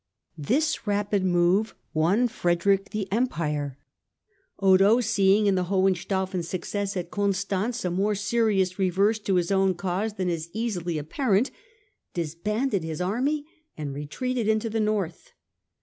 This rapid move won Frederick the Empire. Otho, seeing in the Hohenstaufen success at Constance a more serious reverse to his own cause than is easily apparent, disbanded his army and retreated into the North.